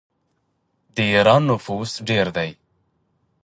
د ایران نفوس ډیر دی.